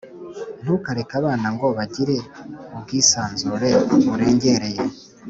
Ntukareke abana ngo bagire ubwisanzure burengereye